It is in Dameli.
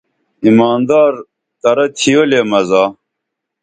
ایماندار ترہ تھیو لے مزہ